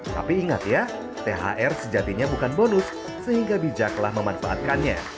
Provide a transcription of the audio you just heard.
tapi ingat ya thr sejatinya bukan bonus sehingga bijaklah memanfaatkannya